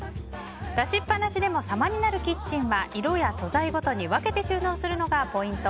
出しっぱなしでも様になるキッチンは色や素材ごとに分けて収納するのがポイント。